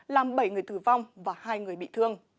làm bảy người tử vong và hai người bị thương